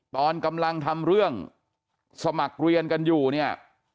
ตอนกำลังทำเรื่องสมัครเรียนกันอยู่เนี่ย